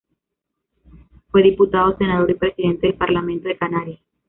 Fue diputado, senador y presidente del Parlamento de Canarias.